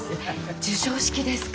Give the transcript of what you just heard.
授賞式ですか。